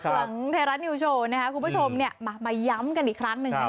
หลังเทราะต์นิวส์โชว์คุณผู้ชมมาย้ำกันอีกครั้งหนึ่ง